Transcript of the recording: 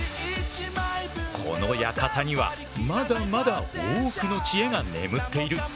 この館にはまだまだ多くの知恵が眠っている。